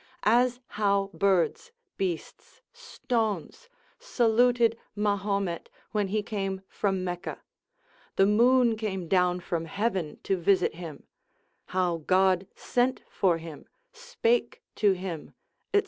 As how birds, beasts, stones, saluted Mahomet when he came from Mecca, the moon came down from heaven to visit him, how God sent for him, spake to him, &c.